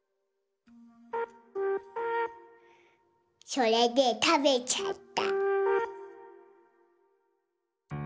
それでたべちゃった。